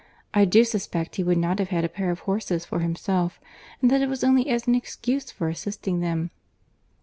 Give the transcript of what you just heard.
I do suspect he would not have had a pair of horses for himself, and that it was only as an excuse for assisting them."